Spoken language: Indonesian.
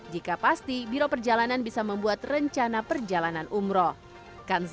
jika pasti biro perjalanan bisa membuat rencana perjalanan umroh